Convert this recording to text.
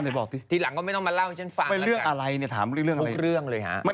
ดูไหมล่ะเขาเล่าไว้